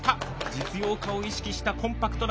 実用化を意識したコンパクトな車体。